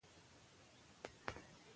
نه یې بیرته سوای قفس پیدا کولای